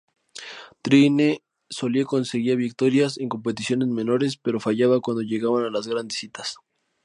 Trine solía conseguía victorias en competiciones menores, pero fallaba cuando llegaban las grandes citas.